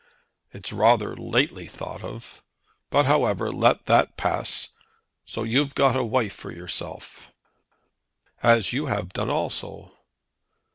"It's rather lately thought of; but, however, let that pass. So you've got a wife for yourself." "As you have done also."